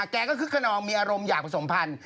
แกก็คึกขนองมีอารมณ์อยากผสมพันธ์